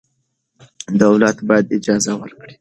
دولت باید اجازه ورکړي.